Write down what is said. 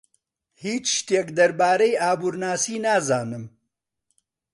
هیچ شتێک دەربارەی ئابوورناسی نازانم.